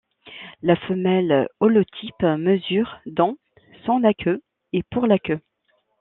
La femelle holotype mesure dont sans la queue et pour la queue.